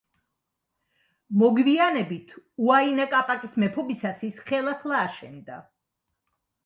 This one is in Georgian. მოგვიანებით, უაინა კაპაკის მეფობისას ის ხელახლა აშენდა.